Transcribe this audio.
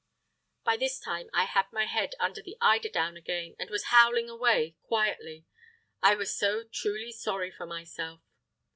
By this time I had my head under the eiderdown again, and was howling away (quietly). I was so truly sorry for myself!